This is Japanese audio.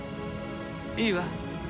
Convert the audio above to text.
いいわ。